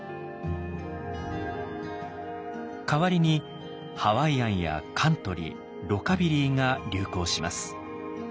代わりにハワイアンやカントリーロカビリーが流行します。